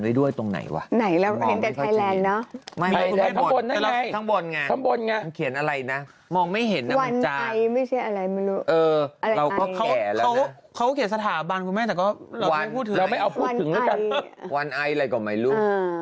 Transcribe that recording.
วันไออะไรก่อนไม่รู้